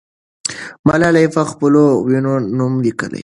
ملالۍ پخپلو وینو نوم لیکي.